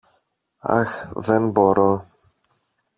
Αχ, δεν μπορώ!